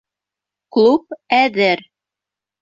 Клуб әҙер.